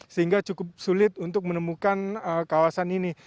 sehingga cukup sulit untuk menemukan kawasan ini